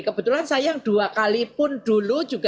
kebetulan sayang dua kali pun dulu juga